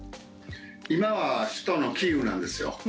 今は首都のキーウなんですよ。